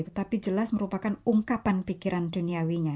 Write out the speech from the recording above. tetapi jelas merupakan ungkapan pikiran duniawinya